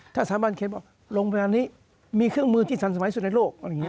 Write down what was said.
ถ้าสถานบันเครน์บอกว่าโรงพยาบาลนี้มีเครื่องมือจิตสรรสมัยสุดในโลก